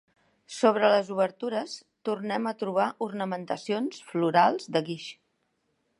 Sobre les obertures tornem a trobar ornamentacions florals de guix.